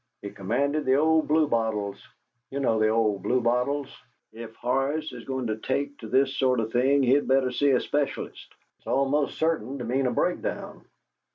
He commanded the old Bluebottles. You know the old Bluebottles? If Horace is going to take to this sort of thing he'd better see a specialist; it's almost certain to mean a breakdown.